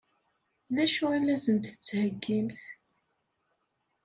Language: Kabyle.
D acu i la sen-d-tettheggimt?